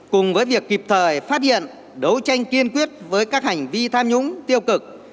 cùng với việc kịp thời phát hiện đấu tranh kiên quyết với các hành vi tham nhũng tiêu cực